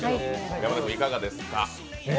山田君いかがですか？